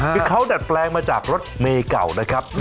คือเขาดัดแปลงมาจากรถเมย์เก่านะครับ